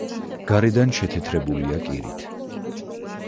გარედან შეთეთრებულია კირით.